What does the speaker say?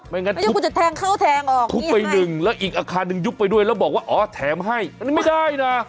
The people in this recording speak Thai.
ไม่งั้นทุบทุบไปหนึ่งแล้วอีกอาคารหนึ่งยุบไปด้วยแล้วบอกว่าอ๋อแถมให้ไม่ได้นะ